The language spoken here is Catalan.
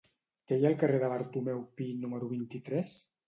Què hi ha al carrer de Bartomeu Pi número vint-i-tres?